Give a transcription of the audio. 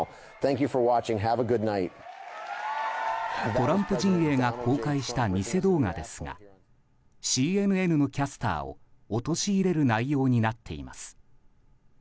トランプ陣営が公開した偽動画ですがＣＮＮのキャスターを陥れる内容になっています。